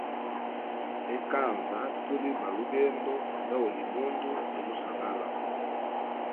Ekanza tuli ba lugendo, ndauli mundu limusagala.